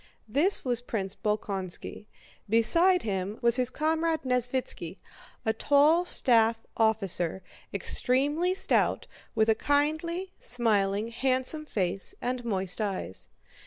This was Prince Bolkónski. Beside him was his comrade Nesvítski, a tall staff officer, extremely stout, with a kindly, smiling, handsome face and moist eyes.